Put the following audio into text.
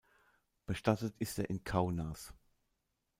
Bestattet ist er in Kaunas.